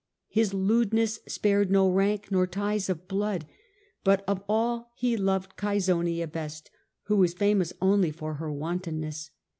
His lewdness spared no rank nor ties of blood, but of all he loved Cassonia best, who was famous only for her wantonness.